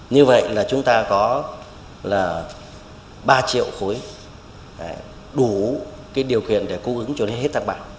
như vậy là chúng ta có là ba triệu khối đủ điều kiện để cung ứng cho đến hết tháng ba